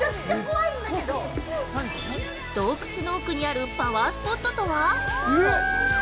洞窟の奥にあるパワースポットとは？